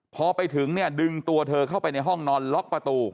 พอไปถึงเนี่ยดึงตัวเธอเข้าไปในห้องนอนล็อกประตู